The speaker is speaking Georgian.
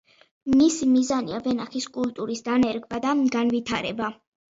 მისი მიზანია ვენახის კულტურის დანერგვა და განვითარება.